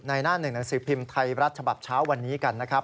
หน้าหนึ่งหนังสือพิมพ์ไทยรัฐฉบับเช้าวันนี้กันนะครับ